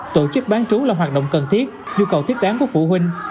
tổ chức bán chú là hoạt động cần thiết nhu cầu thiết đáng của phụ huynh